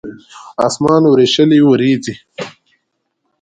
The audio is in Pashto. اسمان وریشلې وریځې